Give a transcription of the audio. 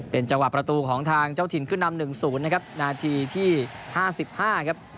เป็นจังหวะประตูของทางเจ้าถิ่นขึ้นนำหนึ่งศูนย์นะครับนาทีที่ห้าสิบห้าครับ